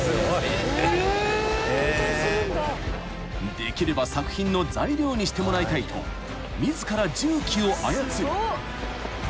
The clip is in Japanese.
［できれば作品の材料にしてもらいたいと自ら重機を操り］